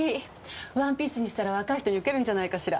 ワンピースにしたら若い人に受けるんじゃないかしら。